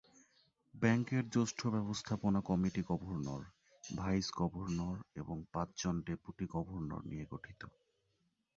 ব্যাংকের জ্যেষ্ঠ ব্যবস্থাপনা কমিটি গভর্নর, ভাইস-গভর্নর এবং পাঁচজন ডেপুটি গভর্নর নিয়ে গঠিত।